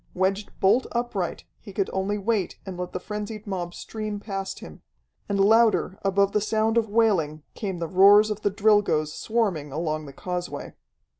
Wedged bolt upright, he could only wait and let the frenzied mob stream past him. And louder above the sound of wailing came the roars of the Drilgoes swarming along the causeway.